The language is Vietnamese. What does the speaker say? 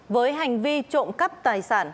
với hành vi trộm cắp tài sản